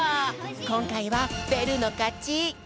こんかいはベルのかち。